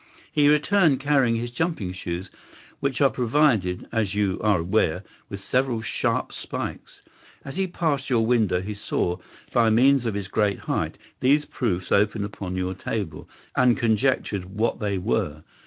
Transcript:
He returned carrying his jumping shoes, which are provided, as you are aware, with several sharp spikes. As he passed your window he saw, by means of his great height, these proofs upon your table, and conjectured what they were.